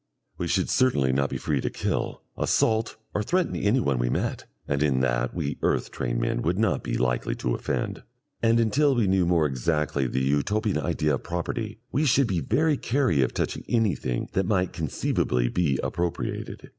We should certainly not be free to kill, assault, or threaten anyone we met, and in that we earth trained men would not be likely to offend. And until we knew more exactly the Utopian idea of property we should be very chary of touching anything that might conceivably be appropriated.